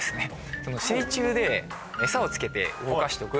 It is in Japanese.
水中でエサをつけて動かしとく。